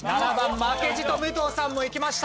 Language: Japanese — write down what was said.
負けじと武藤さんもいきました。